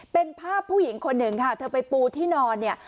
เป็นภาพผู้หญิงคนหนึ่งค่ะเธอไปปูที่นอนเนี่ย